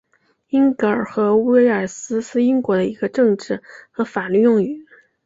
英格兰和威尔斯是英国的一个政治和法律用语。